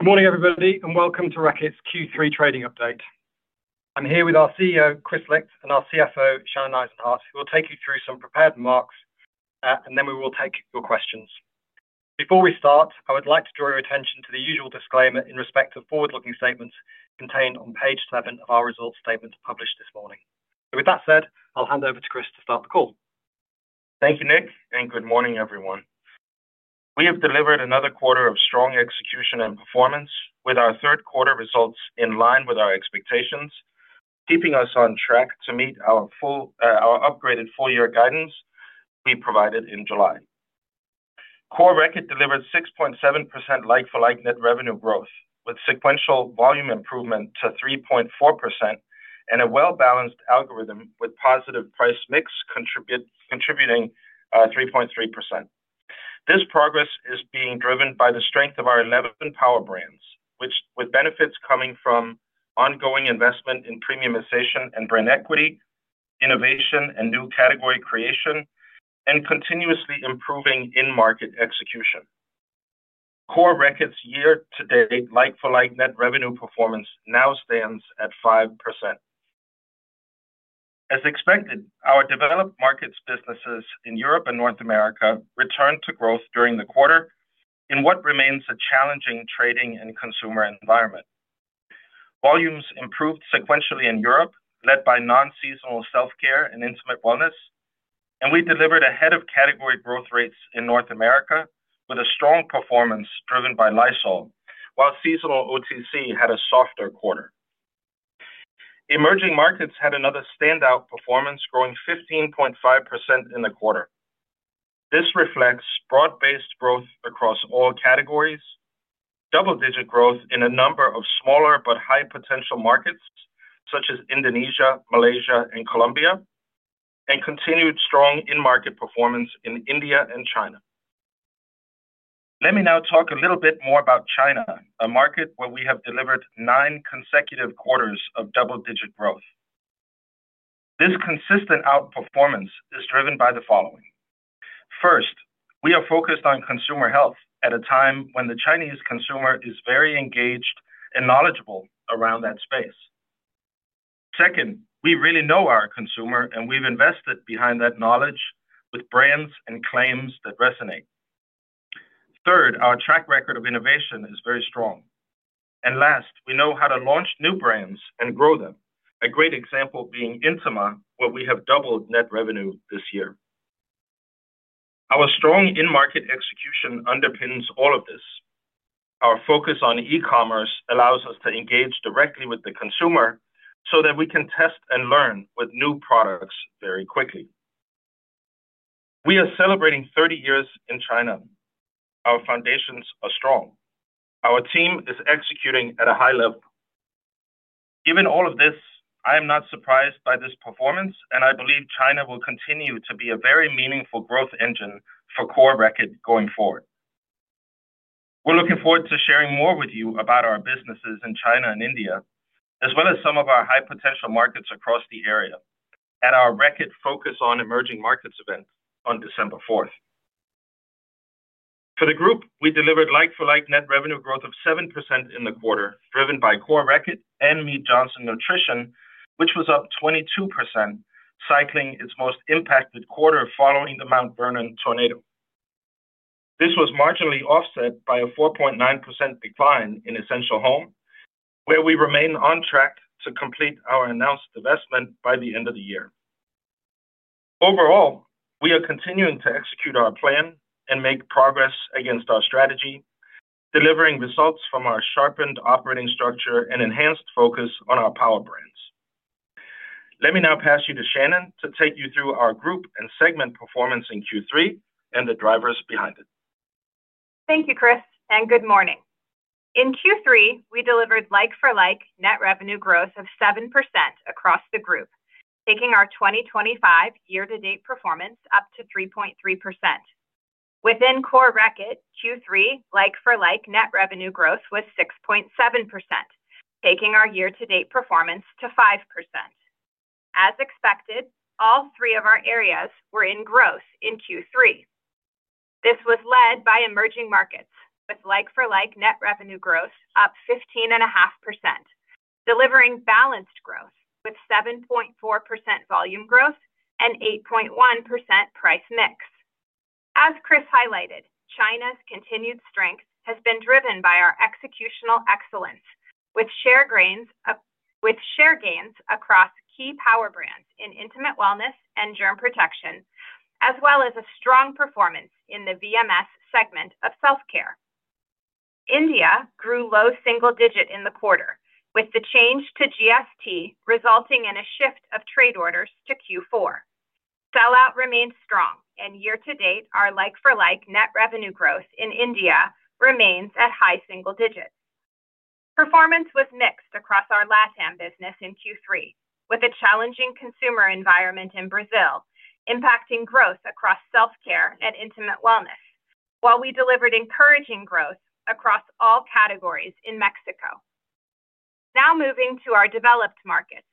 Good morning, everybody, and welcome to Reckitt's Q3 trading update. I'm here with our CEO, Kris Licht, and our CFO, Shannon Eisenhardt, who will take you through some prepared remarks, and then we will take your questions. Before we start, I would like to draw your attention to the usual disclaimer in respect of forward-looking statements contained on page 7 of our results statement published this morning. With that said, I'll hand over to Kris to start the call. Thank you, Nick, and good morning, everyone. We have delivered another quarter of strong execution and performance, with our third quarter results in line with our expectations, keeping us on track to meet our upgraded full-year guidance we provided in July. Core Reckitt delivered 6.7% like-for-like net revenue growth, with sequential volume improvement to 3.4% and a well-balanced algorithm with positive price mix contributing 3.3%. This progress is being driven by the strength of our 11 power brands, with benefits coming from ongoing investment in premiumization and brand equity, innovation and new category creation, and continuously improving in-market execution. Core Reckitt's year-to-date like-for-like net revenue performance now stands at 5%. As expected, our developed markets businesses in Europe and North America returned to growth during the quarter in what remains a challenging trading and consumer environment. Volumes improved sequentially in Europe, led by non-seasonal self-care and intimate wellness, and we delivered ahead of category growth rates in North America with a strong performance driven by Lysol, while seasonal OTC had a softer quarter. Emerging markets had another standout performance, growing 15.5% in the quarter. This reflects broad-based growth across all categories, double-digit growth in a number of smaller but high-potential markets such as Indonesia, Malaysia, and Colombia, and continued strong in-market performance in India and China. Let me now talk a little bit more about China, a market where we have delivered nine consecutive quarters of double-digit growth. This consistent outperformance is driven by the following: First, we are focused on consumer health at a time when the Chinese consumer is very engaged and knowledgeable around that space. Second, we really know our consumer, and we've invested behind that knowledge with brands and claims that resonate. Third, our track record of innovation is very strong. Last, we know how to launch new brands and grow them, a great example being Intima, where we have doubled net revenue this year. Our strong in-market execution underpins all of this. Our focus on e-commerce allows us to engage directly with the consumer so that we can test and learn with new products very quickly. We are celebrating 30 years in China. Our foundations are strong. Our team is executing at a high level. Given all of this, I am not surprised by this performance, and I believe China will continue to be a very meaningful growth engine for Core Reckitt going forward. We're looking forward to sharing more with you about our businesses in China and India, as well as some of our high-potential markets across the area at our Reckitt Focus on Emerging Markets event on December 4. For the group, we delivered like-for-like net revenue growth of 7% in the quarter, driven by Core Reckitt and Mead Johnson Nutrition, which was up 22%, cycling its most impacted quarter following the Mount Vernon tornado. This was marginally offset by a 4.9% decline in Essential Home, where we remain on track to complete our announced divestment by the end of the year. Overall, we are continuing to execute our plan and make progress against our strategy, delivering results from our sharpened operating structure and enhanced focus on our power brands. Let me now pass you to Shannon to take you through our group and segment performance in Q3 and the drivers behind it. Thank you, Kris, and good morning. In Q3, we delivered like-for-like net revenue growth of 7% across the group, taking our 2025 year-to-date performance up to 3.3%. Within Core Reckitt, Q3 like-for-like net revenue growth was 6.7%, taking our year-to-date performance to 5%. As expected, all three of our areas were in growth in Q3. This was led by emerging markets, with like-for-like net revenue growth up 15.5%, delivering balanced growth with 7.4% volume growth and 8.1% price mix. As Kris highlighted, China's continued strength has been driven by our executional excellence with share gains across key power brands in intimate wellness and germ protection, as well as a strong performance in the VMS segment of self-care. India grew low single digit in the quarter, with the change to GST resulting in a shift of trade orders to Q4. Sellout remains strong, and year-to-date our like-for-like net revenue growth in India remains at high single digits. Performance was mixed across our LATAM business in Q3, with a challenging consumer environment in Brazil impacting growth across self-care and intimate wellness, while we delivered encouraging growth across all categories in Mexico. Now moving to our developed markets.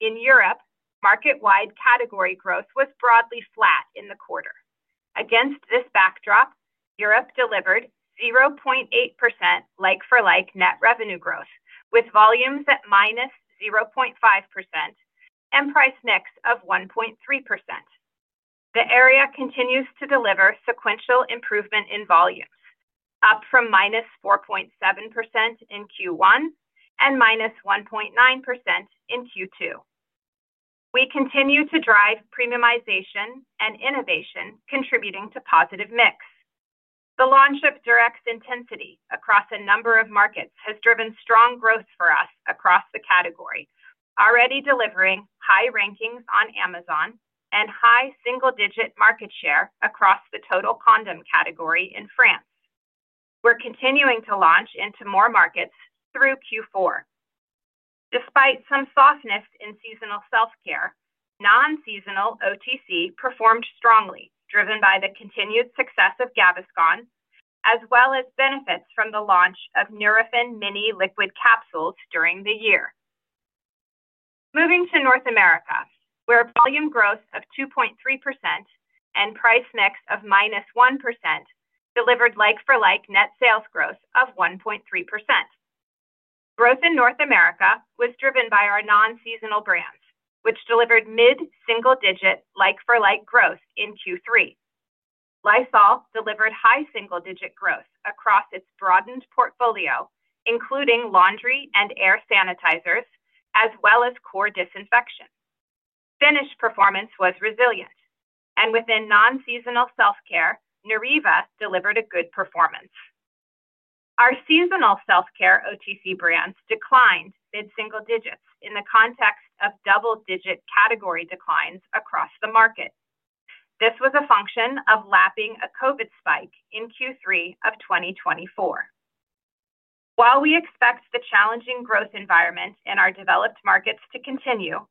In Europe, market-wide category growth was broadly flat in the quarter. Against this backdrop, Europe delivered 0.8% like-for-like net revenue growth, with volumes at -0.5% and price mix of 1.3%. The area continues to deliver sequential improvement in volumes, up from -4.7% in Q1 and -1.9% in Q2. We continue to drive premiumization and innovation, contributing to positive mix. The launch of Durex Intensity across a number of markets has driven strong growth for us across the category, already delivering high rankings on Amazon and high single-digit market share across the total condom category in France. We're continuing to launch into more markets through Q4. Despite some softness in seasonal self-care, non-seasonal OTC performed strongly, driven by the continued success of Gaviscon as well as benefits from the launch of Nurofen mini liquid capsules during the year. Moving to North America, where volume growth of 2.3% and price mix of -1% delivered like-for-like net sales growth of 1.3%. Growth in North America was driven by our non-seasonal brands, which delivered mid-single-digit like-for-like growth in Q3. Lysol delivered high single-digit growth across its broadened portfolio, including laundry and air sanitizers, as well as core disinfection. Finish performance was resilient, and within non-seasonal self-care, Neuriva delivered a good performance. Our seasonal self-care OTC brands declined mid-single digits in the context of double-digit category declines across the market. This was a function of lapping a COVID spike in Q3 of 2024. While we expect the challenging growth environment in our developed markets to continue,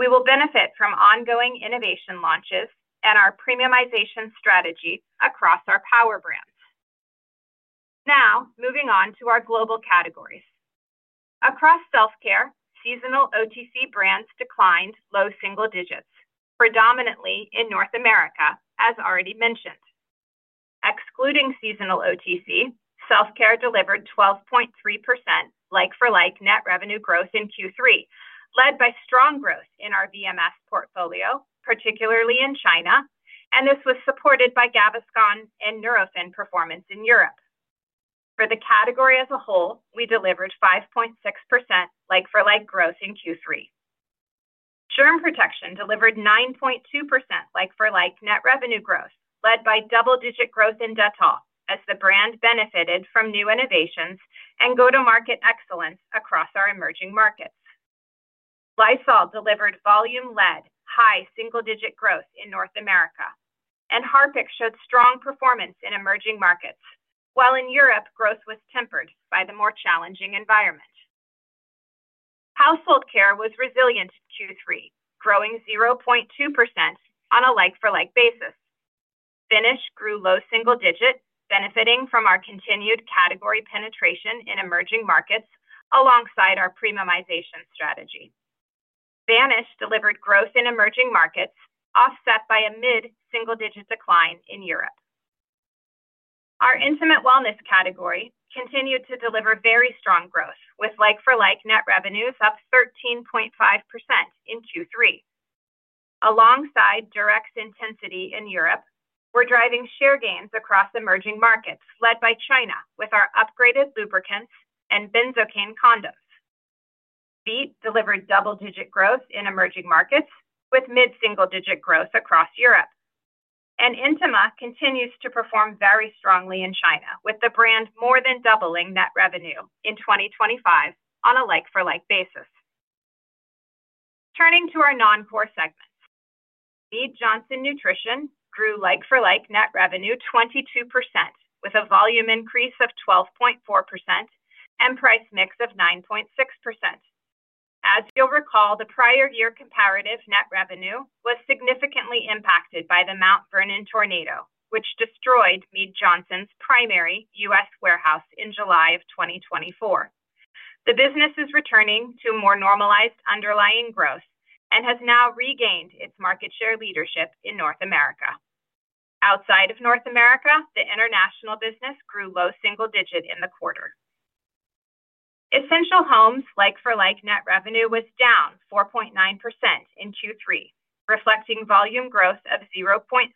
we will benefit from ongoing innovation launches and our premiumization strategy across our power brands. Now, moving on to our global categories. Across self-care, seasonal OTC brands declined low single digits, predominantly in North America, as already mentioned. Excluding seasonal OTC, self-care delivered 12.3% like-for-like net revenue growth in Q3, led by strong growth in our VMS portfolio, particularly in China, and this was supported by Gaviscon and Nurofen performance in Europe. For the category as a whole, we delivered 5.6% like-for-like growth in Q3. Germ protection delivered 9.2% like-for-like net revenue growth, led by double-digit growth in Dettol, as the brand benefited from new innovations and go-to-market excellence across our emerging markets. Lysol delivered volume-led high single-digit growth in North America, and Harpic showed strong performance in emerging markets, while in Europe growth was tempered by the more challenging environment. Household Care was resilient in Q3, growing 0.2% on a like-for-like basis. Finish grew low single digit, benefiting from our continued category penetration in emerging markets alongside our premiumization strategy. Vanish delivered growth in emerging markets, offset by a mid-single digit decline in Europe. Our Intimate Wellness category continued to deliver very strong growth, with like-for-like net revenues up 13.5% in Q3. Alongside Durex Intensity in Europe, we're driving share gains across emerging markets, led by China with our upgraded lubricants and benzocaine condoms. Veet delivered double-digit growth in emerging markets, with mid-single digit growth across Europe. Intima continues to perform very strongly in China, with the brand more than doubling net revenue in 2025 on a like-for-like basis. Turning to our non-core segments, Mead Johnson Nutrition grew like-for-like net revenue 22%, with a volume increase of 12.4% and price mix of 9.6%. As you'll recall, the prior year comparative net revenue was significantly impacted by the Mount Vernon tornado, which destroyed Mead Johnson's primary U.S. warehouse in July of 2024. The business is returning to more normalized underlying growth and has now regained its market share leadership in North America. Outside of North America, the international business grew low single digit in the quarter. Essential Home's like-for-like net revenue was down 4.9% in Q3, reflecting volume growth of 0.6%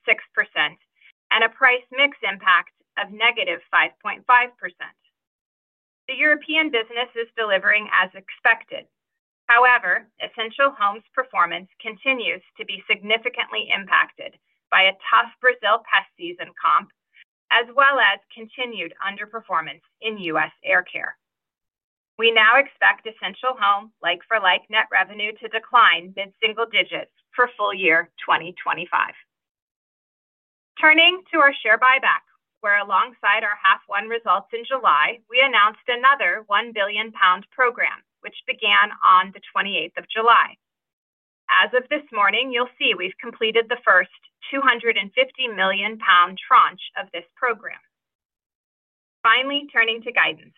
and a price mix impact of -5.5%. The European business is delivering as expected. However, Essential Home's performance continues to be significantly impacted by a tough Brazil pest season comp, as well as continued underperformance in U.S. air care. We now expect Essential Home's like-for-like net revenue to decline mid-single digits for full year 2025. Turning to our share buyback, where alongside our half-one results in July, we announced another 1 billion pound program, which began on the 28th of July. As of this morning, you'll see we've completed the first 250 million pound tranche of this program. Finally, turning to guidance,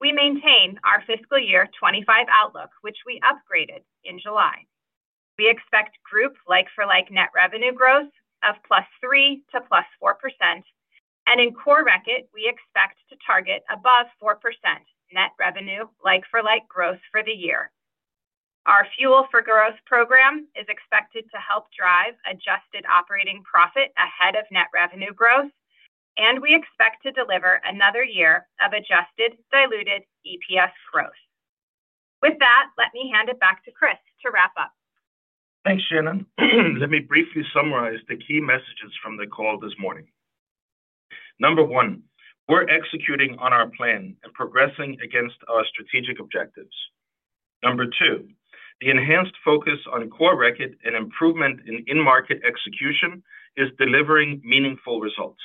we maintain our fiscal year 2025 outlook, which we upgraded in July. We expect group like-for-like net revenue growth of +3% to +4%, and in Core Reckitt, we expect to target above 4% net revenue like-for-like growth for the year. Our Fuel for Growth program is expected to help drive adjusted operating profit ahead of net revenue growth, and we expect to deliver another year of adjusted diluted EPS growth. With that, let me hand it back to Kris to wrap up. Thanks, Shannon. Let me briefly summarize the key messages from the call this morning. Number one, we're executing on our plan and progressing against our strategic objectives. Number two, the enhanced focus on Core Reckitt and improvement in in-market execution is delivering meaningful results.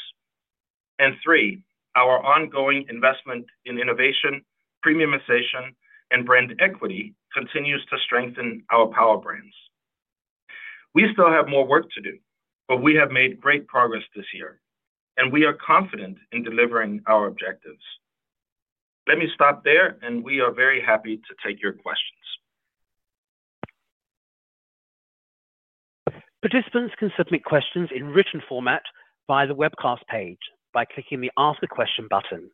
Number three, our ongoing investment in innovation, premiumization, and brand equity continues to strengthen our power brands. We still have more work to do, but we have made great progress this year, and we are confident in delivering our objectives. Let me stop there, and we are very happy to take your questions. Participants can submit questions in written format via the webcast page by clicking the Ask a Question button.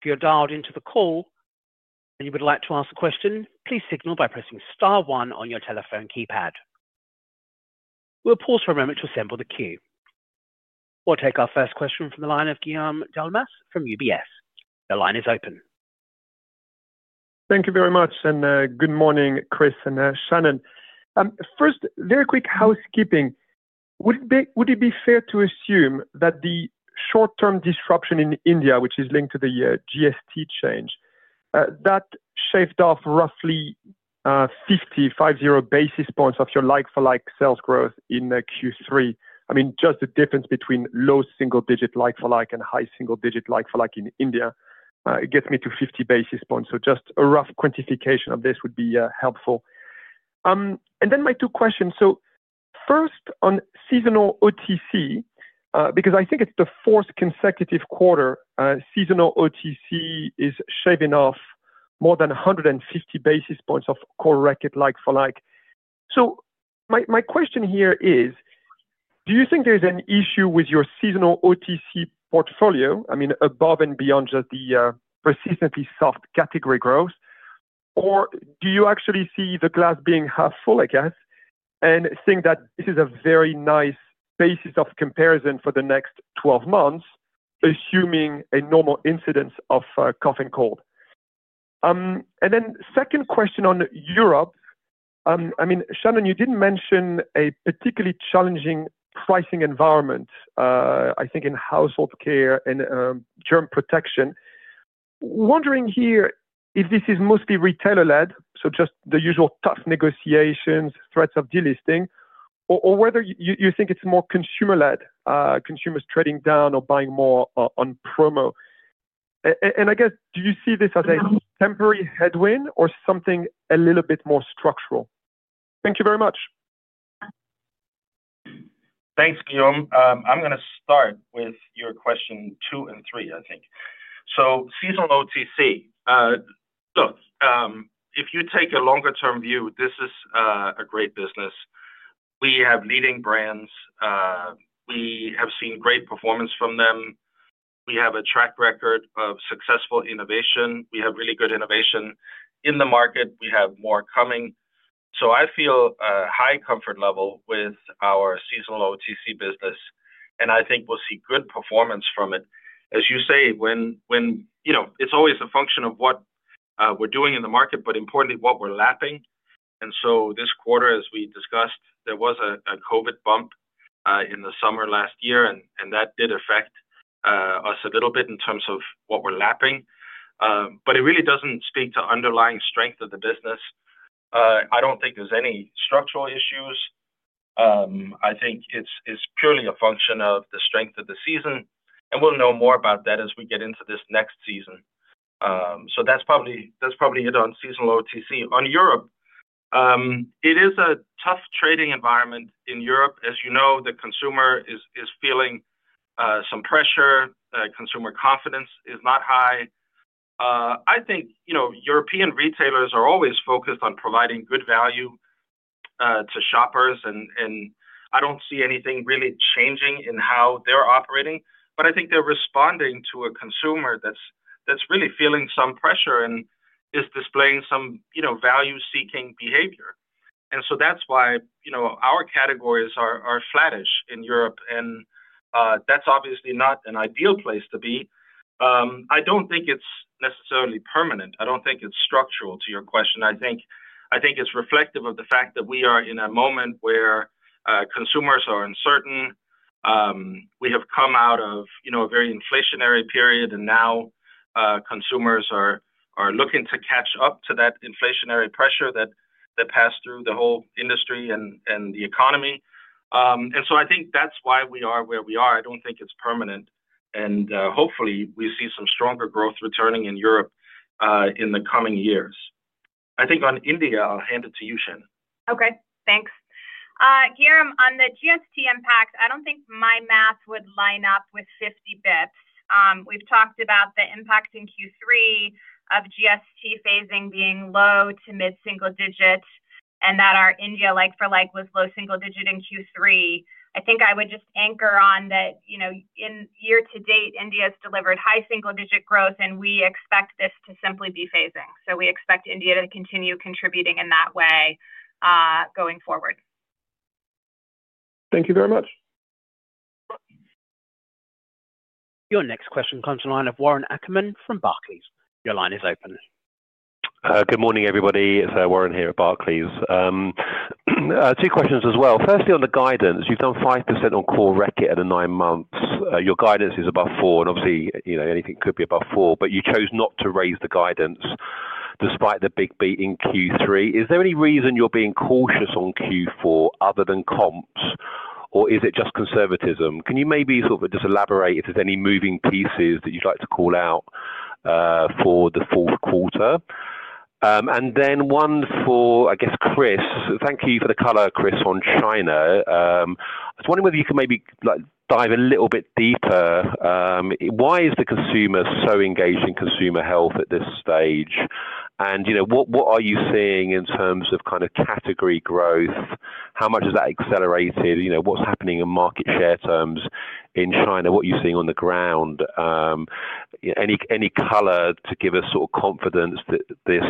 If you're dialed into the call and you would like to ask a question, please signal by pressing star one on your telephone keypad. We'll pause for a moment to assemble the queue. We'll take our first question from the line of Guillaume Delmas from UBS. The line is open. Thank you very much, and good morning, Kris and Shannon. First, very quick housekeeping. Would it be fair to assume that the short-term disruption in India, which is linked to the GST change, shaved off roughly 50, 50 basis points of your like-for-like sales growth in Q3? I mean, just the difference between low single-digit like-for-like and high single-digit like-for-like in India gets me to 50 basis points. Just a rough quantification of this would be helpful. My two questions. First, on seasonal OTC, because I think it's the fourth consecutive quarter seasonal OTC is shaving off more than 150 basis points of Core Reckitt like-for-like. My question here is, do you think there's an issue with your seasonal OTC portfolio? I mean, above and beyond just the persistently soft category growth, or do you actually see the glass being half full, I guess, and think that this is a very nice basis of comparison for the next 12 months, assuming a normal incidence of cough and cold? Second question on Europe. Shannon, you didn't mention a particularly challenging pricing environment, I think, in Household Care and germ protection. Wondering if this is mostly retailer-led, just the usual tough negotiations, threats of delisting, or whether you think it's more consumer-led, consumers trading down or buying more on promo. Do you see this as a temporary headwind or something a little bit more structural? Thank you very much. Thanks, Guillaume. I'm going to start with your question two and three, I think. Seasonal OTC, look, if you take a longer-term view, this is a great business. We have leading brands. We have seen great performance from them. We have a track record of successful innovation. We have really good innovation in the market. We have more coming. I feel a high comfort level with our seasonal OTC business, and I think we'll see good performance from it. As you say, it's always a function of what we're doing in the market, but importantly, what we're lapping. This quarter, as we discussed, there was a COVID bump in the summer last year, and that did affect us a little bit in terms of what we're lapping. It really doesn't speak to underlying strength of the business. I don't think there's any structural issues. I think it's purely a function of the strength of the season, and we'll know more about that as we get into this next season. That's probably it on seasonal OTC. On Europe, it is a tough trading environment in Europe. As you know, the consumer is feeling some pressure. Consumer confidence is not high. I think European retailers are always focused on providing good value to shoppers, and I don't see anything really changing in how they're operating. I think they're responding to a consumer that's really feeling some pressure and is displaying some value-seeking behavior. That's why our categories are flattish in Europe, and that's obviously not an ideal place to be. I don't think it's necessarily permanent. I don't think it's structural, to your question. I think it's reflective of the fact that we are in a moment where consumers are uncertain. We have come out of a very inflationary period, and now consumers are looking to catch up to that inflationary pressure that passed through the whole industry and the economy. I think that's why we are where we are. I don't think it's permanent, and hopefully, we see some stronger growth returning in Europe in the coming years. I think on India, I'll hand it to you, Shannon. Okay, thanks. Guillaume, on the GST impact, I don't think my math would line up with 50 bps. We've talked about the impact in Q3 of GST phasing being low to mid-single digit and that our India like-for-like was low single digit in Q3. I think I would just anchor on that, you know, in year to date, India's delivered high single digit growth, and we expect this to simply be phasing. We expect India to continue contributing in that way going forward. Thank you very much. Your next question comes from the line of Warren Ackerman from Barclays. Your line is open. Good morning, everybody. It's Warren here at Barclays. Two questions as well. Firstly, on the guidance, you've done 5% on Core Reckitt in the nine months. Your guidance is above 4%, and obviously, you know, anything could be above 4%, but you chose not to raise the guidance despite the big beat in Q3. Is there any reason you're being cautious on Q4 other than comps, or is it just conservatism? Can you maybe sort of just elaborate if there's any moving pieces that you'd like to call out for the fourth quarter? One for, I guess, Kris. Thank you for the color, Kris, on China. I was wondering whether you could maybe dive a little bit deeper. Why is the consumer so engaged in consumer health at this stage? What are you seeing in terms of kind of category growth? How much is that accelerated? What's happening in market share terms in China? What are you seeing on the ground? Any color to give us sort of confidence that this,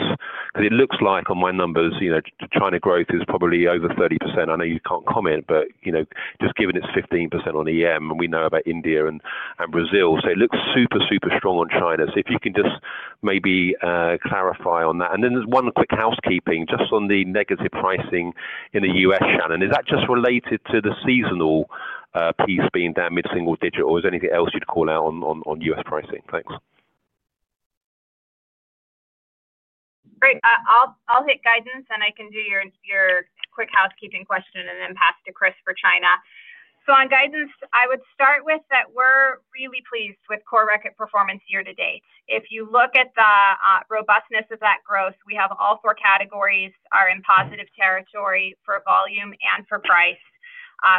because it looks like on my numbers, you know, China growth is probably over 30%. I know you can't comment, but just given it's 15% on EM, and we know about India and Brazil. It looks super, super strong on China. If you can just maybe clarify on that. There's one quick housekeeping just on the negative pricing in the U.S., Shannon. Is that just related to the seasonal piece being down mid-single digit, or is there anything else you'd call out on U.S. pricing? Thanks. Great. I'll hit guidance, and I can do your quick housekeeping question and then pass to Kris for China. On guidance, I would start with that we're really pleased with Core Reckitt performance year to date. If you look at the robustness of that growth, we have all four categories in positive territory for volume and for price.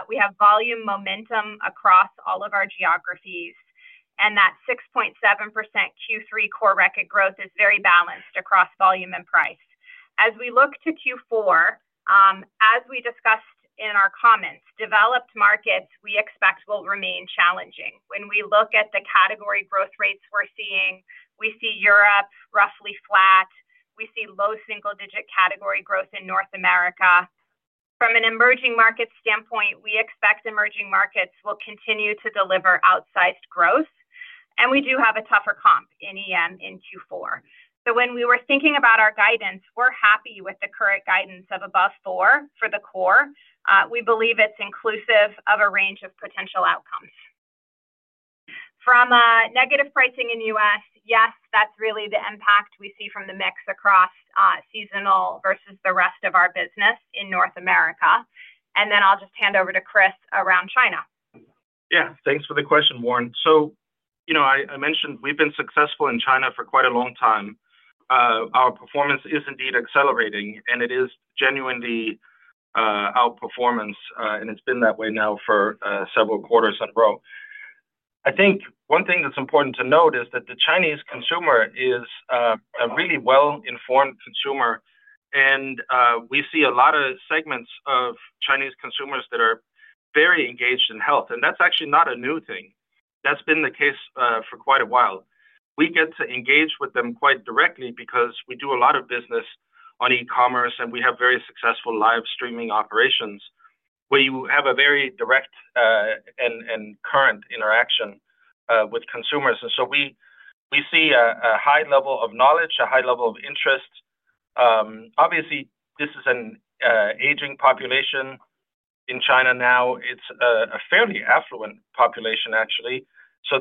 We have volume momentum across all of our geographies, and that 6.7% Q3 Core Reckitt growth is very balanced across volume and price. As we look to Q4, as we discussed in our comments, developed markets we expect will remain challenging. When we look at the category growth rates we're seeing, we see Europe roughly flat. We see low single-digit category growth in North America. From an emerging market standpoint, we expect emerging markets will continue to deliver outsized growth, and we do have a tougher comp in EM in Q4. When we were thinking about our guidance, we're happy with the current guidance of above 4% for the core. We believe it's inclusive of a range of potential outcomes. From negative pricing in the U.S., yes, that's really the impact we see from the mix across seasonal versus the rest of our business in North America. I'll just hand over to Kris around China. Yeah, thanks for the question, Warren. I mentioned we've been successful in China for quite a long time. Our performance is indeed accelerating, and it is genuinely our performance, and it's been that way now for several quarters in a row. I think one thing that's important to note is that the Chinese consumer is a really well-informed consumer, and we see a lot of segments of Chinese consumers that are very engaged in health, and that's actually not a new thing. That's been the case for quite a while. We get to engage with them quite directly because we do a lot of business on e-commerce, and we have very successful live streaming operations where you have a very direct and current interaction with consumers. We see a high level of knowledge, a high level of interest. Obviously, this is an aging population in China now. It's a fairly affluent population, actually.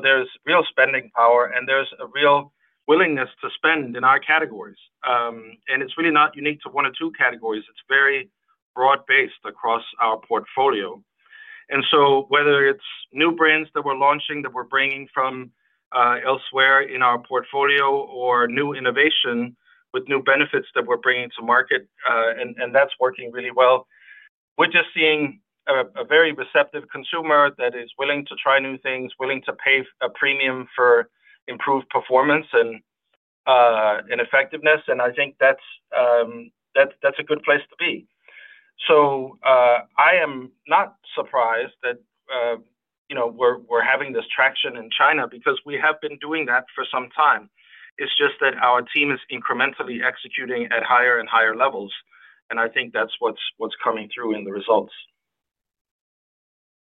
There's real spending power, and there's a real willingness to spend in our categories. It's really not unique to one or two categories. It's very broad-based across our portfolio. Whether it's new brands that we're launching that we're bringing from elsewhere in our portfolio or new innovation with new benefits that we're bringing to market, that's working really well. We're just seeing a very receptive consumer that is willing to try new things, willing to pay a premium for improved performance and effectiveness, and I think that's a good place to be. I am not surprised that we're having this traction in China because we have been doing that for some time. It's just that our team is incrementally executing at higher and higher levels, and I think that's what's coming through in the results.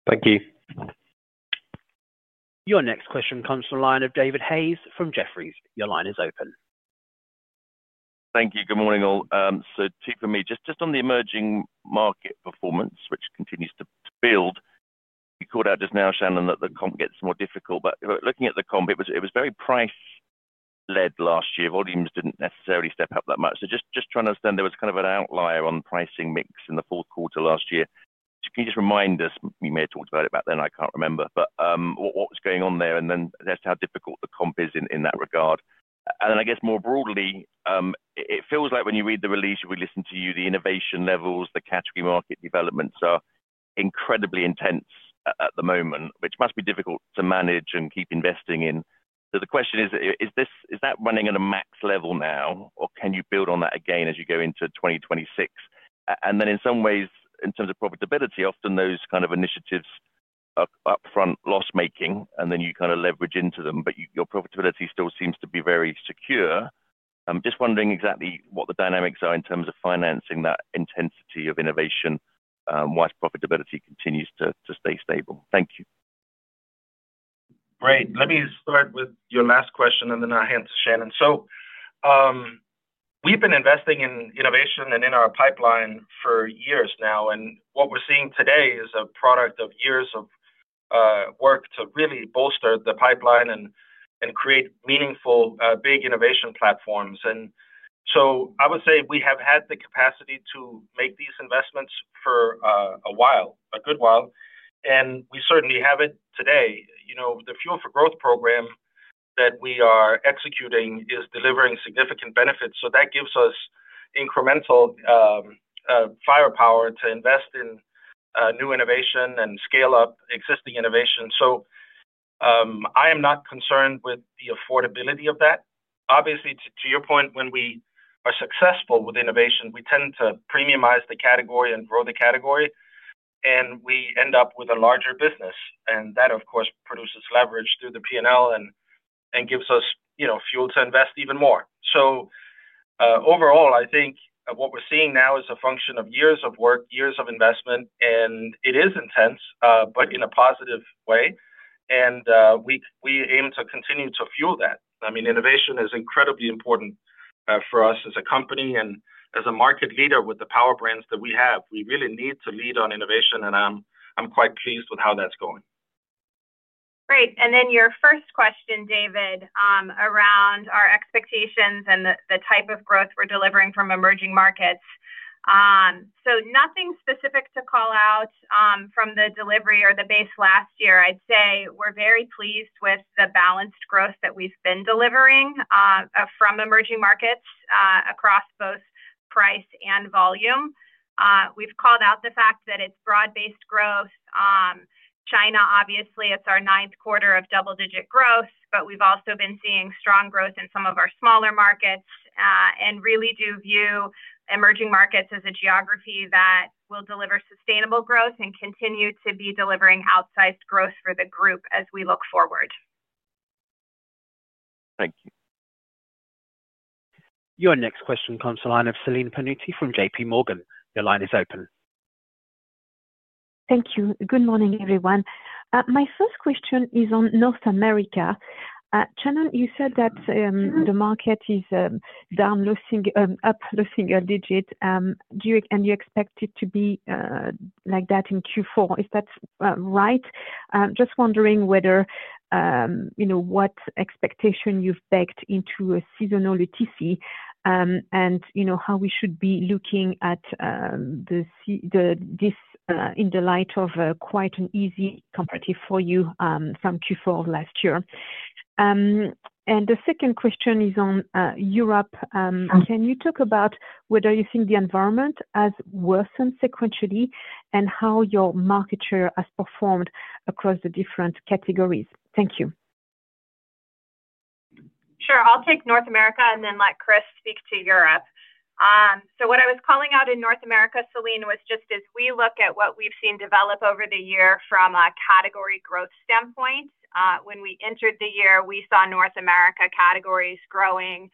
Thank you. Your next question comes from the line of David Hayes from Jefferies. Your line is open. Thank you. Good morning all. Two for me. Just on the emerging market performance, which continues to build, you called out just now, Shannon, that the comp gets more difficult. Looking at the comp, it was very price-led last year. Volumes didn't necessarily step up that much. Trying to understand, there was kind of an outlier on the pricing mix in the fourth quarter last year. Can you just remind us? You may have talked about it back then. I can't remember. What was going on there? As to how difficult the comp is in that regard, I guess more broadly, it feels like when you read the release, we listened to you, the innovation levels, the category market developments are incredibly intense at the moment, which must be difficult to manage and keep investing in. The question is, is that running at a max level now, or can you build on that again as you go into 2026? In some ways, in terms of profitability, often those kind of initiatives are upfront loss-making, and then you kind of leverage into them, but your profitability still seems to be very secure. I'm just wondering exactly what the dynamics are in terms of financing that intensity of innovation, why profitability continues to stay stable. Thank you. Great. Let me start with your last question, and then I'll hand it to Shannon. We've been investing in innovation and in our pipeline for years now, and what we're seeing today is a product of years of work to really bolster the pipeline and create meaningful, big innovation platforms. I would say we have had the capacity to make these investments for a while, a good while, and we certainly have it today. The Fuel for Growth program that we are executing is delivering significant benefits. That gives us incremental firepower to invest in new innovation and scale up existing innovation. I am not concerned with the affordability of that. Obviously, to your point, when we are successful with innovation, we tend to premiumize the category and grow the category, and we end up with a larger business. That, of course, produces leverage through the P&L and gives us fuel to invest even more. Overall, I think what we're seeing now is a function of years of work, years of investment, and it is intense, but in a positive way. We aim to continue to fuel that. Innovation is incredibly important for us as a company and as a market leader with the power brands that we have. We really need to lead on innovation, and I'm quite pleased with how that's going. Great. Your first question, David, around our expectations and the type of growth we're delivering from emerging markets. There's nothing specific to call out from the delivery or the base last year. I'd say we're very pleased with the balanced growth that we've been delivering from emerging markets across both price and volume. We've called out the fact that it's broad-based growth. China, obviously, it's our ninth quarter of double-digit growth, but we've also been seeing strong growth in some of our smaller markets and really do view emerging markets as a geography that will deliver sustainable growth and continue to be delivering outsized growth for the group as we look forward. Thank you. Your next question comes from the line of Celine Pannuti from JPMorgan. Your line is open. Thank you. Good morning, everyone. My first question is on North America. Shannon, you said that the market is down low single digit, and you expect it to be like that in Q4. Is that right? I'm just wondering what expectation you've baked into a seasonal OTC and how we should be looking at this in the light of quite an easy comparative for you from Q4 last year. The second question is on Europe. Can you talk about whether you think the environment has worsened sequentially and how your market share has performed across the different categories? Thank you. Sure. I'll take North America and then let Kris speak to Europe. What I was calling out in North America, Celine, was just as we look at what we've seen develop over the year from a category growth standpoint. When we entered the year, we saw North America categories growing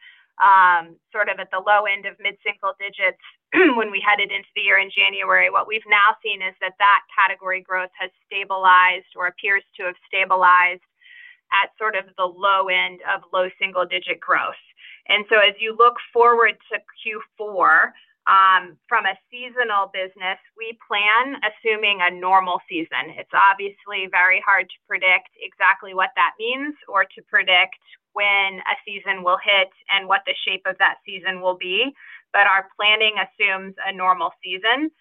sort of at the low end of mid-single digits. When we headed into the year in January, what we've now seen is that category growth has stabilized or appears to have stabilized at sort of the low end of low single-digit growth. As you look forward to Q4, from a seasonal business, we plan assuming a normal season. It's obviously very hard to predict exactly what that means or to predict when a season will hit and what the shape of that season will be, but our planning assumes a normal season.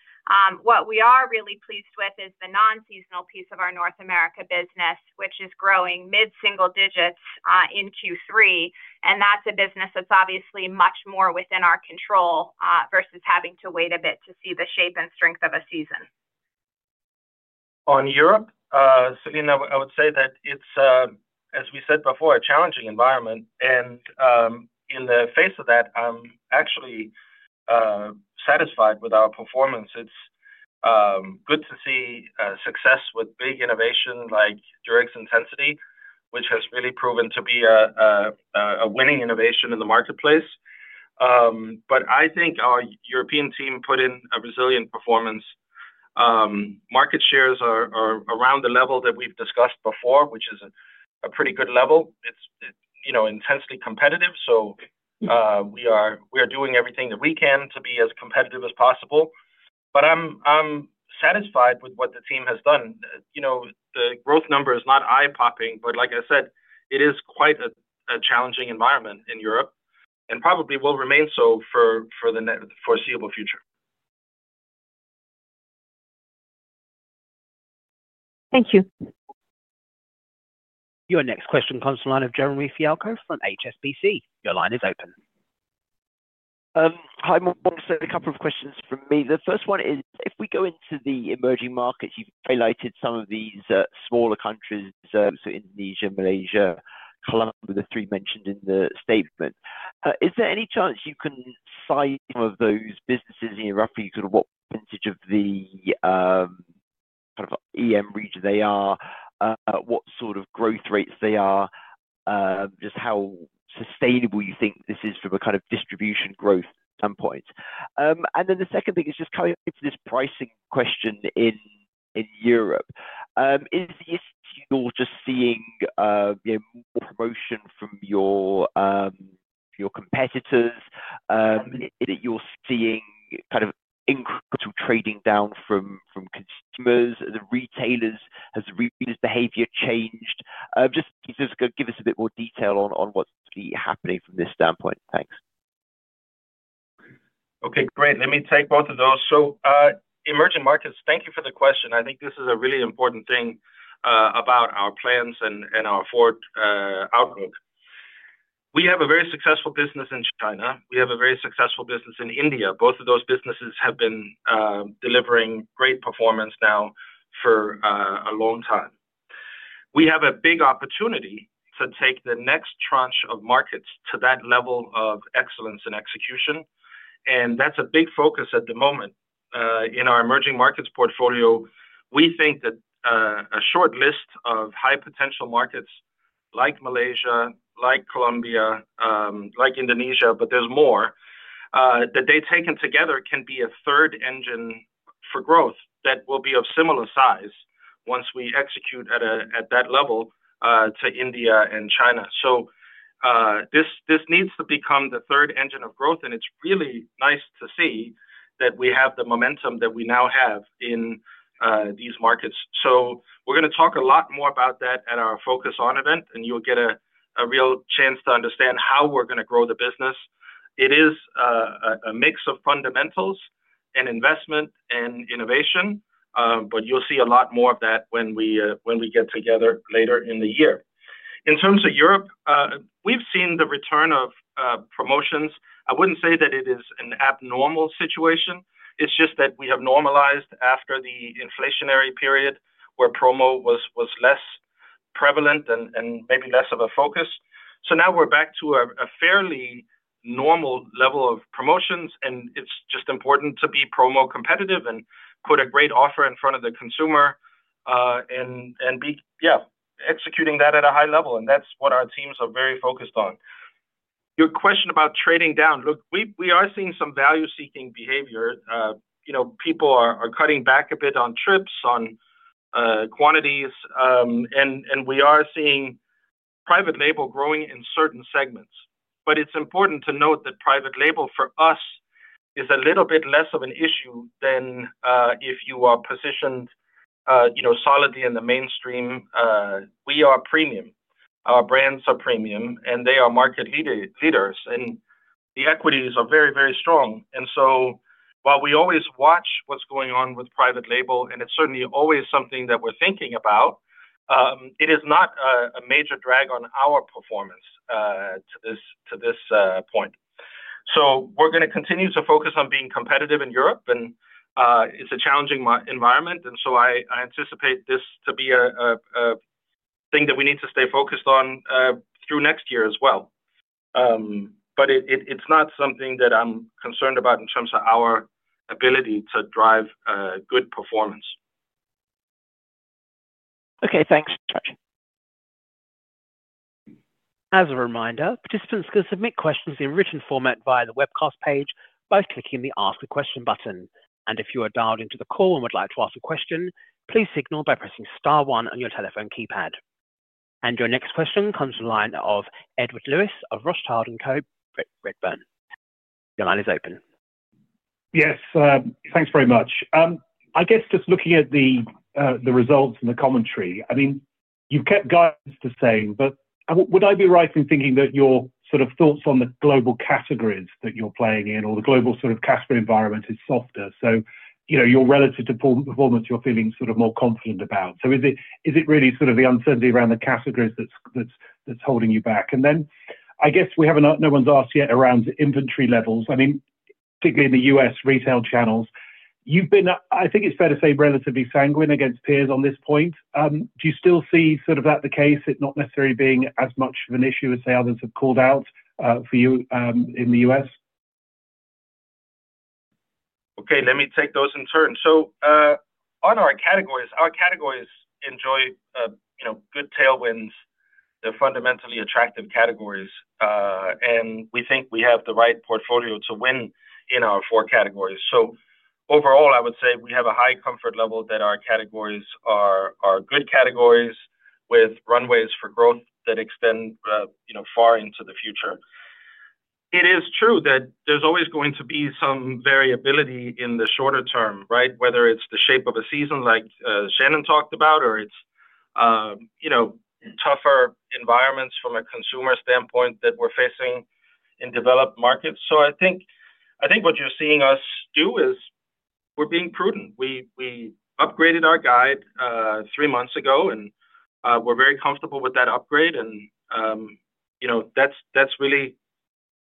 What we are really pleased with is the non-seasonal piece of our North America business, which is growing mid-single digits in Q3, and that's a business that's obviously much more within our control versus having to wait a bit to see the shape and strength of a season. On Europe, Celine, I would say that it's, as we said before, a challenging environment, and in the face of that, I'm actually satisfied with our performance. It's good to see success with big innovation like Durex Intensity, which has really proven to be a winning innovation in the marketplace. I think our European team put in a resilient performance. Market shares are around the level that we've discussed before, which is a pretty good level. It's, you know, intensely competitive. We are doing everything that we can to be as competitive as possible. I'm satisfied with what the team has done. The growth number is not eye-popping, but like I said, it is quite a challenging environment in Europe and probably will remain so for the foreseeable future. Thank you. Your next question comes from the line of Jeremy Fialko from HSBC. Your line is open. Hi, I want to say a couple of questions from me. The first one is, if we go into the emerging markets, you've highlighted some of these smaller countries, so Indonesia, Malaysia, Colombia, the three mentioned in the statement. Is there any chance you can cite some of those businesses in Europe? You could, what percentage of the kind of EM region they are, what sort of growth rates they are, just how sustainable you think this is from a kind of distribution growth standpoint? The second thing is just coming to this pricing question in Europe. Is the issue you're just seeing more promotion from your competitors? Is it that you're seeing kind of incremental trading down from consumers? Has the retailers' behavior changed? Just give us a bit more detail on what's happening from this standpoint. Thanks. Okay, great. Let me take both of those. Emerging markets, thank you for the question. I think this is a really important thing about our plans and our forward outlook. We have a very successful business in China. We have a very successful business in India. Both of those businesses have been delivering great performance now for a long time. We have a big opportunity to take the next tranche of markets to that level of excellence and execution, and that's a big focus at the moment in our emerging markets portfolio. We think that a short list of high-potential markets like Malaysia, like Colombia, like Indonesia, but there's more, that they taken together can be a third engine for growth that will be of similar size once we execute at that level to India and China. This needs to become the third engine of growth, and it's really nice to see that we have the momentum that we now have in these markets. We're going to talk a lot more about that at our Focus On event, and you'll get a real chance to understand how we're going to grow the business. It is a mix of fundamentals and investment and innovation, but you'll see a lot more of that when we get together later in the year. In terms of Europe, we've seen the return of promotions. I wouldn't say that it is an abnormal situation. It's just that we have normalized after the inflationary period where promo was less prevalent and maybe less of a focus. Now we're back to a fairly normal level of promotions, and it's just important to be promo competitive and put a great offer in front of the consumer and be, yeah, executing that at a high level, and that's what our teams are very focused on. Your question about trading down, look, we are seeing some value-seeking behavior. People are cutting back a bit on trips, on quantities, and we are seeing private label growing in certain segments. It's important to note that private label for us is a little bit less of an issue than if you are positioned, you know, solidly in the mainstream. We are premium. Our brands are premium, and they are market leaders, and the equities are very, very strong. While we always watch what's going on with private label, and it's certainly always something that we're thinking about, it is not a major drag on our performance to this point. We're going to continue to focus on being competitive in Europe, and it's a challenging environment. I anticipate this to be a thing that we need to stay focused on through next year as well. It's not something that I'm concerned about in terms of our ability to drive good performance. Okay, thanks, Kris. As a reminder, participants can submit questions in written format via the webcast page by clicking the Ask a Question button. If you are dialed into the call and would like to ask a question, please signal by pressing star one on your telephone keypad. Your next question comes from the line of Edward Lewis of Redburn Atlantic. Your line is open. Yes, thanks very much. I guess just looking at the results and the commentary, you've kept guidance the same, but would I be right in thinking that your sort of thoughts on the global categories that you're playing in or the global sort of category environment is softer? You know, relative to performance, you're feeling sort of more confident about. Is it really the uncertainty around the categories that's holding you back? I guess we haven't, no one's asked yet around inventory levels. Particularly in the U.S. retail channels, you've been, I think it's fair to say, relatively sanguine against peers on this point. Do you still see that the case, it not necessarily being as much of an issue as, say, others have called out for you in the U.S.? Okay, let me take those in turn. On our categories, our categories enjoy good tailwinds. They're fundamentally attractive categories, and we think we have the right portfolio to win in our four categories. Overall, I would say we have a high comfort level that our categories are good categories with runways for growth that extend far into the future. It is true that there's always going to be some variability in the shorter term, right? Whether it's the shape of a season like Shannon talked about, or it's tougher environments from a consumer standpoint that we're facing in developed markets. I think what you're seeing us do is we're being prudent. We upgraded our guide three months ago, and we're very comfortable with that upgrade, and that's really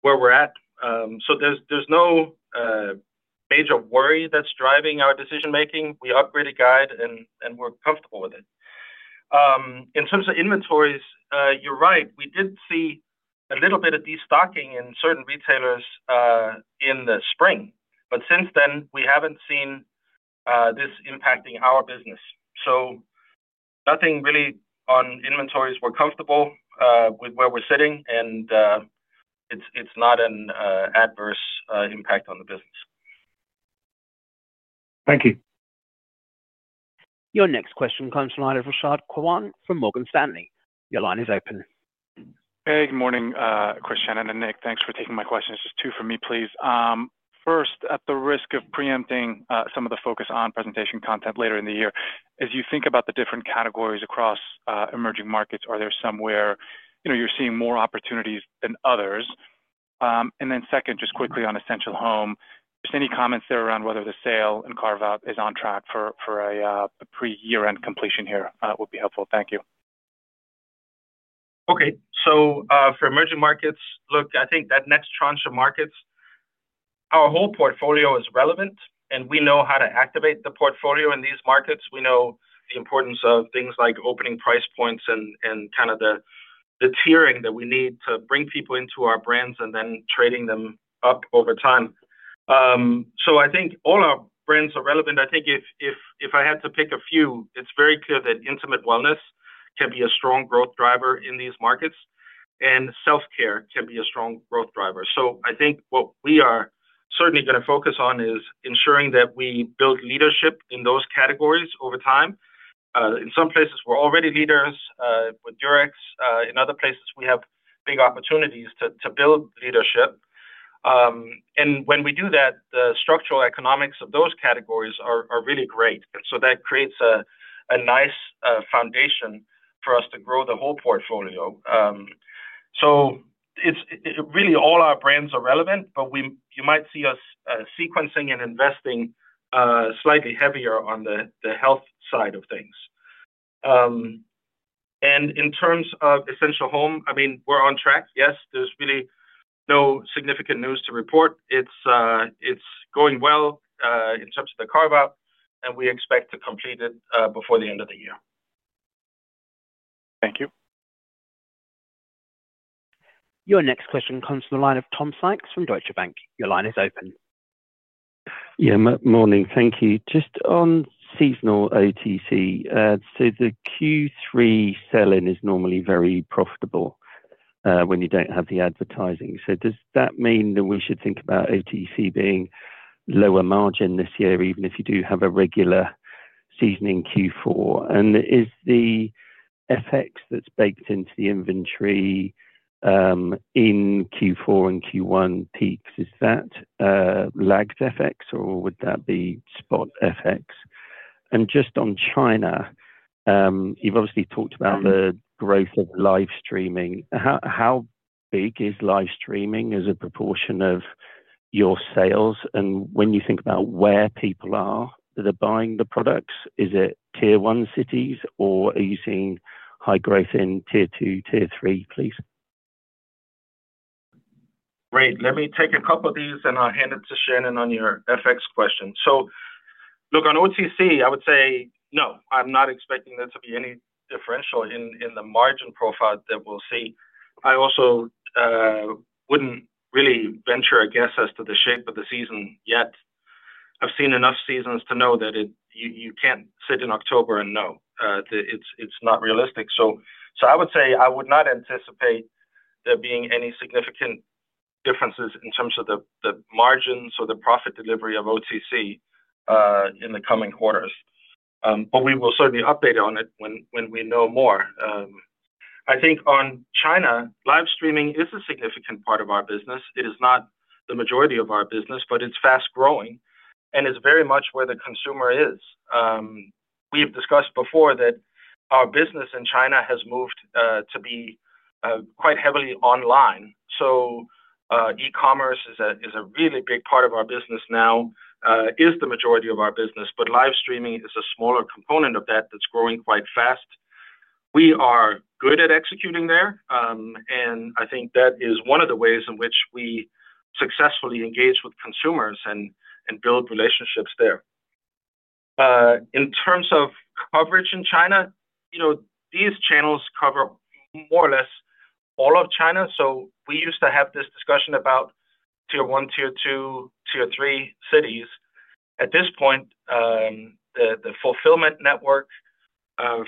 where we're at. There's no major worry that's driving our decision-making. We upgraded guide, and we're comfortable with it. In terms of inventories, you're right. We did see a little bit of destocking in certain retailers in the spring, but since then, we haven't seen this impacting our business. Nothing really on inventories. We're comfortable with where we're sitting, and it's not an adverse impact on the business. Thank you. Your next question comes from the line of Rashad Kawan from Morgan Stanley. Your line is open. Hey, good morning, Kris, Shannon, and Nick. Thanks for taking my questions. Just two for me, please. First, at the risk of preempting some of the Focus On presentation content later in the year, as you think about the different categories across emerging markets, are there some where you're seeing more opportunities than others? Second, just quickly on Essential Home, any comments there around whether the sale and carve-out is on track for a pre-year-end completion here would be helpful. Thank you. Okay, for emerging markets, look, I think that next tranche of markets, our whole portfolio is relevant, and we know how to activate the portfolio in these markets. We know the importance of things like opening price points and the kind of tiering that we need to bring people into our brands and then trading them up over time. I think all our brands are relevant. If I had to pick a few, it's very clear that intimate wellness can be a strong growth driver in these markets, and self-care can be a strong growth driver. What we are certainly going to focus on is ensuring that we build leadership in those categories over time. In some places, we're already leaders with Durex. In other places, we have big opportunities to build leadership. When we do that, the structural economics of those categories are really great. That creates a nice foundation for us to grow the whole portfolio. All our brands are relevant, but you might see us sequencing and investing slightly heavier on the health side of things. In terms of Essential Home, we're on track. There's really no significant news to report. It's going well in terms of the carve-out, and we expect to complete it before the end of the year. Thank you. Your next question comes from the line of Tom Sykes from Deutsche Bank. Your line is open. Yeah, morning. Thank you. Just on seasonal OTC, the Q3 sell-in is normally very profitable when you don't have the advertising. Does that mean that we should think about OTC being lower margin this year, even if you do have a regular season in Q4? Is the FX that's baked into the inventory in Q4 and Q1 peaks lagged FX, or would that be spot FX? Just on China, you've obviously talked about the growth of live streaming. How big is live streaming as a proportion of your sales? When you think about where people are that are buying the products, is it tier one cities, or are you seeing high growth in tier two, tier three, please? Great. Let me take a couple of these, and I'll hand it to Shannon on your FX question. On OTC, I would say no, I'm not expecting there to be any differential in the margin profile that we'll see. I also wouldn't really venture a guess as to the shape of the season yet. I've seen enough seasons to know that you can't sit in October and know. It's not realistic. I would say I would not anticipate there being any significant differences in terms of the margins or the profit delivery of OTC in the coming quarters. We will certainly update on it when we know more. I think on China, live streaming is a significant part of our business. It is not the majority of our business, but it's fast growing, and it's very much where the consumer is. We've discussed before that our business in China has moved to be quite heavily online. E-commerce is a really big part of our business now, is the majority of our business, but live streaming is a smaller component of that that's growing quite fast. We are good at executing there, and I think that is one of the ways in which we successfully engage with consumers and build relationships there. In terms of coverage in China, these channels cover more or less all of China. We used to have this discussion about tier one, tier two, tier three cities. At this point, the fulfillment network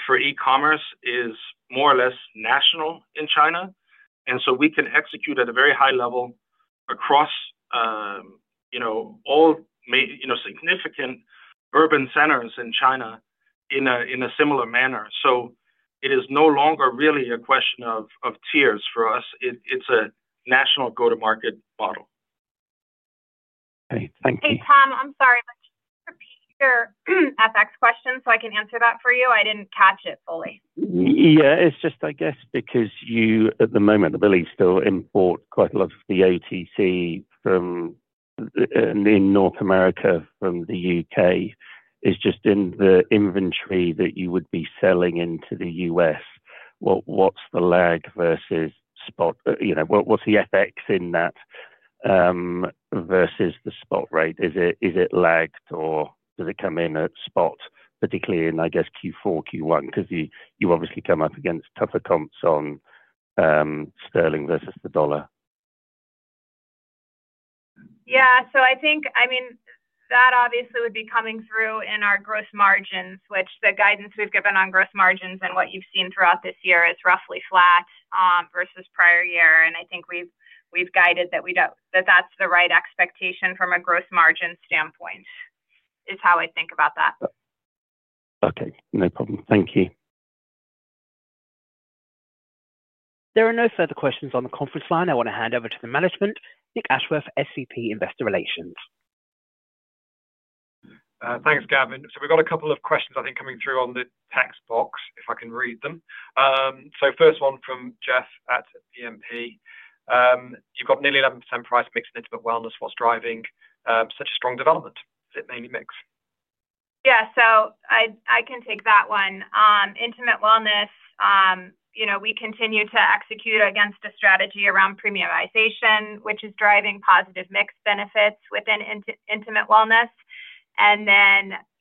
for e-commerce is more or less national in China, and we can execute at a very high level across all significant urban centers in China in a similar manner. It is no longer really a question of tiers for us. It's a national go-to-market model. Okay, thank you. Hey, Tom, I'm sorry. Let me repeat your FX question so I can answer that for you. I didn't catch it fully. Yeah, it's just because you, at the moment, I believe, still import quite a lot of the OTC from North America from the U.K. It's just in the inventory that you would be selling into the U.S. What's the lag versus spot? You know, what's the FX in that versus the spot rate? Is it lagged, or does it come in at spot, particularly in, I guess, Q4, Q1? You obviously come up against tougher comps on sterling versus the dollar. I think that obviously would be coming through in our gross margins, which the guidance we've given on gross margins and what you've seen throughout this year is roughly flat versus prior year. I think we've guided that that's the right expectation from a gross margin standpoint is how I think about that. Okay, no problem. Thank you. There are no further questions on the conference line. I want to hand over to the management, Nick Ashworth, SVP, Investor Relations. Thanks, Gavin. We've got a couple of questions, I think, coming through on the text box, if I can read them. First one from Jeff at PMP. You've got nearly 11% price mix in intimate wellness. What's driving such a strong development? Is it mainly mix? Yeah, so I can take that one. Intimate wellness, you know, we continue to execute against a strategy around premiumization, which is driving positive mix benefits within intimate wellness.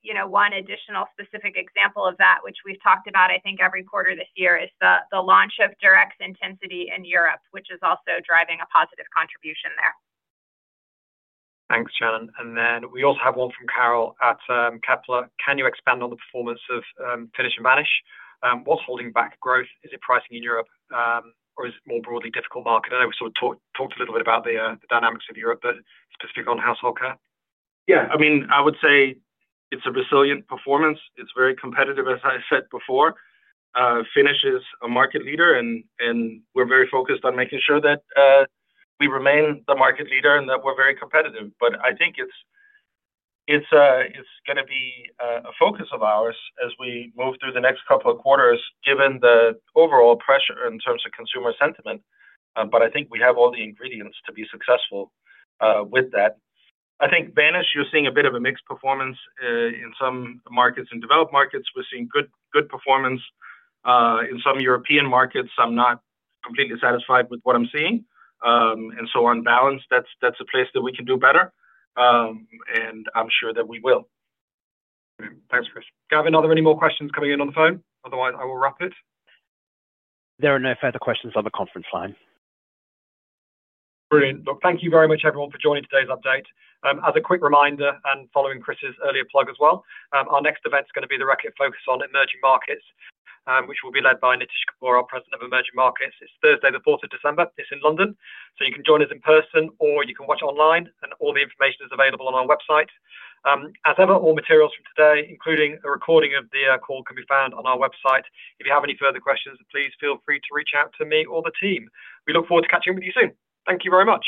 You know, one additional specific example of that, which we've talked about, I think, every quarter this year, is the launch of Durex Intensity in Europe, which is also driving a positive contribution there. Thanks, Shannon. We also have one from Carol at Kepler. Can you expand on the performance of Finish and Vanish? What's holding back growth? Is it pricing in Europe, or is it more broadly a difficult market? I know we sort of talked a little bit about the dynamics of Europe, but specifically on Household Care? Yeah, I mean, I would say it's a resilient performance. It's very competitive, as I said before. Finish is a market leader, and we're very focused on making sure that we remain the market leader and that we're very competitive. I think it's going to be a focus of ours as we move through the next couple of quarters, given the overall pressure in terms of consumer sentiment. I think we have all the ingredients to be successful with that. I think Vanish, you're seeing a bit of a mixed performance in some markets. In developed markets, we're seeing good performance. In some European markets, I'm not completely satisfied with what I'm seeing. On balance, that's a place that we can do better, and I'm sure that we will. Thanks, Kris. Gavin, are there any more questions coming in on the phone? Otherwise, I will wrap it. There are no further questions on the conference line. Brilliant. Thank you very much, everyone, for joining today's update. As a quick reminder, and following Kris's earlier plug as well, our next event is going to be the Reckitt Focus on Emerging Markets, which will be led by Nitish Kapoor, our President of Emerging Markets. It is Thursday, the 4th of December. It is in London. You can join us in person, or you can watch online, and all the information is available on our website. As ever, all materials from today, including a recording of the call, can be found on our website. If you have any further questions, please feel free to reach out to me or the team. We look forward to catching up with you soon. Thank you very much.